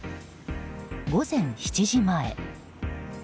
午前７時前。